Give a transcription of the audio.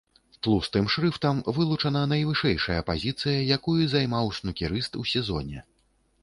Тлустым шрыфтам вылучана найвышэйшая пазіцыя, якую займаў снукерыст у сезоне.